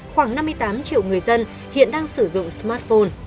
khoảng năm mươi tám triệu người dân hiện đang sử dụng smartphone